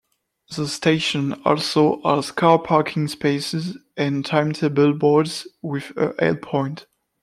The station also has car parking spaces and timetable boards with a help point.